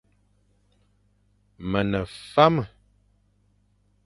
Me ne fame.